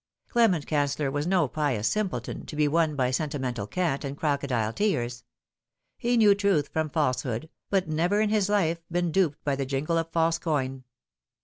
Clement Canceller was no pious simpleton, to be won by senti mental cant and crocodile tears. He knew truth from falsehood, had never in his life been duped by the jingle of false coin.